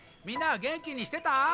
みんなげんきにしてた？